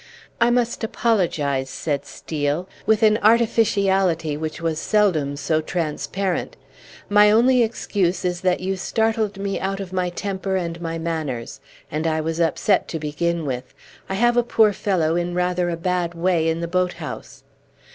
"I must apologize," said Steel, with an artificiality which was seldom so transparent; "my only excuse is that you startled me out of my temper and my manners. And I was upset to begin with. I have a poor fellow in rather a bad way in the boathouse."